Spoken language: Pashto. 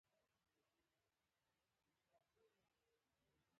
مرسته کوي.